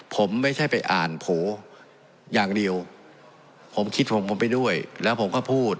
ผมไม่ใช่ไปอ่านโผล่อย่างเดียวผมคิดห่วงผมไปด้วยแล้วผมก็พูด